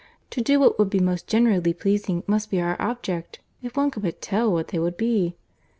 To do what would be most generally pleasing must be our object—if one could but tell what that would be."